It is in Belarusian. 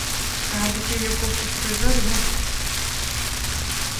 Рабіць яе ў паўпустой зале не хочацца.